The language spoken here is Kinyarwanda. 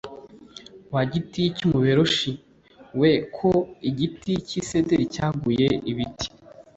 wa giti cy umuberoshi we kuko igiti cy isederi cyaguye ibiti